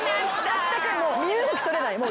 まったく身動き取れない。